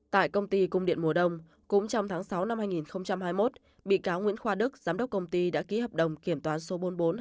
tại công ty cung điện mùa đông cũng trong tháng sáu năm hai nghìn hai mươi một bị cáo nguyễn khoa đức giám đốc công ty đã ký hợp đồng kiểm toán số bốn nghìn bốn trăm hai mươi